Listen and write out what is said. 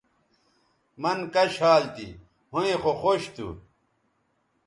مَن کش حال تھی ھویں خو خوش تھو